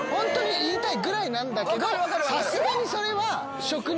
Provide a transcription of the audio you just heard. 言いたいぐらいなんだけどさすがにそれは。